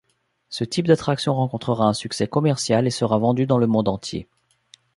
Ce type d'attraction rencontrera un succès commercial et sera vendu dans le monde entier.